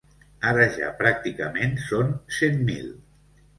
Ara ja pràcticament són cent mil.